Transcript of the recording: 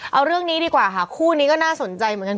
เอาเรื่องนี้ดีกว่าค่ะคู่นี้ก็น่าสนใจเหมือนกัน